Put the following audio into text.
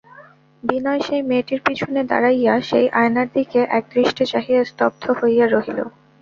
বিনয় সেই মেয়েটির পিছনে দাঁড়াইয়া সেই আয়নার দিকে একদৃষ্টে চাহিয়া স্তব্ধ হইয়া রহিল।